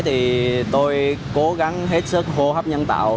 thì tôi cố gắng hết sức hô hấp nhân tạo